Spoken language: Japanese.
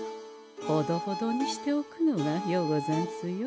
ほどほどにしておくのがようござんすよ。